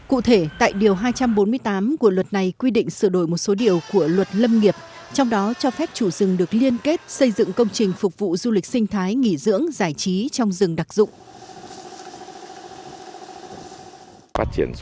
cụ thể tại điều hai trăm bốn mươi tám của luật này quy định sửa đổi một số điều của luật lâm nghiệp trong đó cho phép chủ rừng được liên kết xây dựng công trình phục vụ du lịch sinh thái nghỉ dưỡng giải trí trong rừng đặc dụng